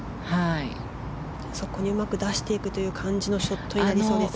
そこにうまく出していくショットになりそうですね。